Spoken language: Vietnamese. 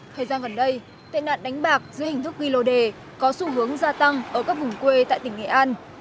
thời gian gần đây tệ nạn đánh bạc dưới hình thức ghi lô đề có xu hướng gia tăng ở các vùng quê tại tỉnh nghệ an